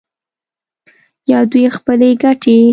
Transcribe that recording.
یا دوی خپلې ګټې